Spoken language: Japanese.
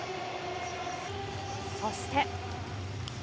そして。